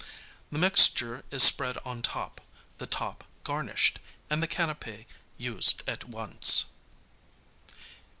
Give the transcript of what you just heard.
The mixture is spread on top, the top garnished, and the canapķ used at once.